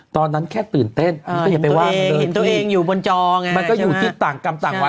ตอนนั้นแค่ตื่นเต้นมันก็อยู่ติดต่างกำต่างวัน